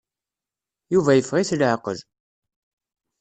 Yuba yeffeɣ-it laɛqel.